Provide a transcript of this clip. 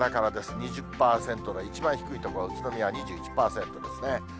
２０％台、一番低い所、宇都宮で２１％ですね。